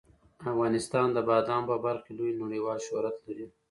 افغانستان د بادامو په برخه کې لوی نړیوال شهرت لري.